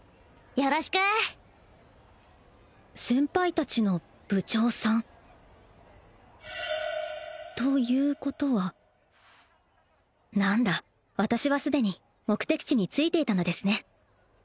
よろしく先輩達の部長さんということは何だ私は既に目的地に着いていたのですね